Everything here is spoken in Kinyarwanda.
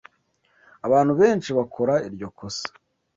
Abantu benshi bakora iryo kosa.